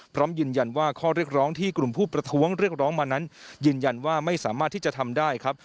พร้อมยืนยันว่าข้อเรียกร้องที่กลุ่มผู้ประท้วงเรียกร้องมานั้นยืนยันว่าไม่สามารถที่จะทำได้ครับ